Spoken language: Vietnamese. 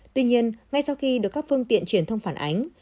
tuy nhiên ngay sau khi được các phương tiện truyền thông phản ánh